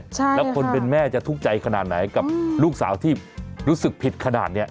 แล้วคนเป็นแม่จะทุกข์ใจขนาดไหนกับลูกสาวที่รู้สึกผิดขนาดนี้